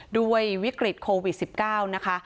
ด้วยวิกฤตโควิดสิบเก้านะคะ